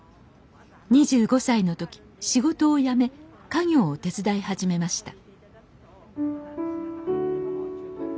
２５歳の時仕事を辞め家業を手伝い始めました